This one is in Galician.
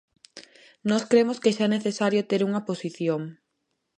Nós cremos que xa é necesario ter unha posición.